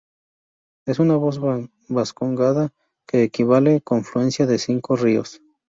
Es una voz vascongada que equivale a confluencia de cinco ríos.